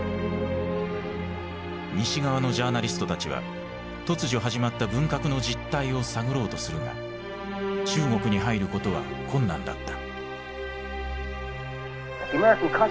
西側のジャーナリストたちは突如始まった文革の実態を探ろうとするが中国に入ることは困難だった。